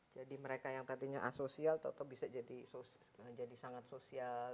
jadi mereka yang katanya asosial tetap bisa jadi sangat sosial